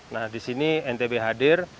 nah di sini ntb hadir